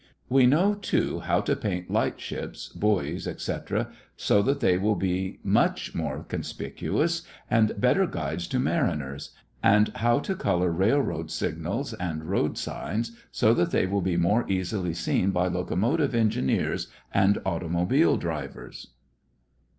We know, too, how to paint light ships, buoys, etc., so that they will be much more conspicuous and better guides to mariners, and how to color railroad signals and road signs so that they will be more easily seen by locomotive engineers and automobile drivers.